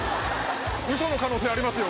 ウソの可能性ありますよ。